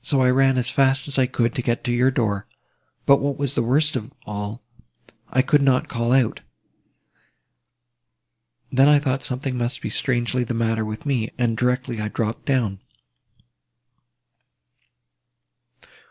I ran as fast as I could, to get to your door; but, what was worst of all, I could not call out; then I thought something must be strangely the matter with me, and directly I dropt down."